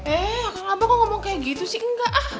eh kenapa kau ngomong kayak gitu sih